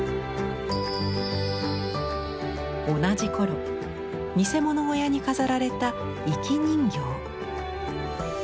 同じ頃見せ物小屋に飾られた生き人形。